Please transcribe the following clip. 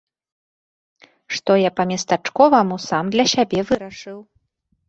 Што я па-местачковаму сам для сябе вырашыў.